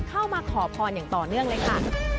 เข้ามาขอพรอย่างต่อเนื่องเลยค่ะ